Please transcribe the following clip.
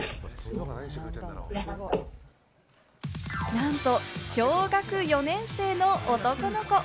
何と小学４年生の男の子。